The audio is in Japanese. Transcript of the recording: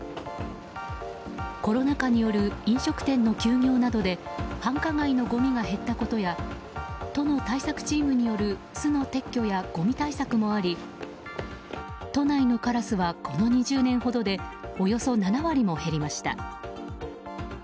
コロナ禍による飲食店の休業などで繁華街のごみが減ったことや都の対策チームによる巣の撤去や、ごみ対策もあり都内のカラスはこの２０年ほどでおよそ７割も減りました。